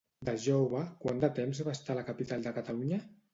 De jove, quant de temps va estar a la capital de Catalunya?